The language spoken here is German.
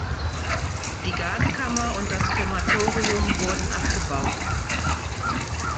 Die Gaskammer und das Krematorium wurden abgebaut.